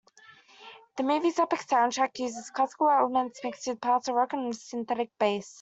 The movie's epic soundtrack uses classical elements mixed with parts of rock and synthetic bass.